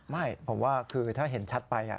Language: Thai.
ไม่ผมว่าคือถ้าเห็นชัดไป